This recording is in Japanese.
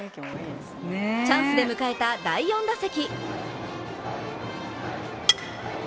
チャンスで迎えた第４打席。